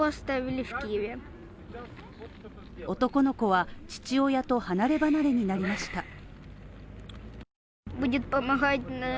男の子は父親と離れ離れになりました。